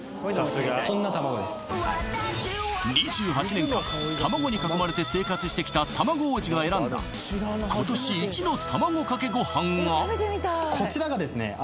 ２８年間卵に囲まれて生活してきた卵王子が選んだ今年イチの卵かけごはんがこちらがですね